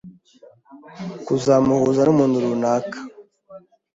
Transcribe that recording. kuzamuhuza n’umuntu runaka